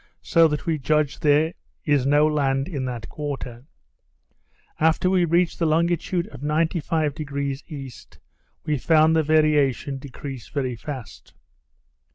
so that we judged there is no land in that quarter. After we reached the longitude of 95° E., we found the variation decrease very fast.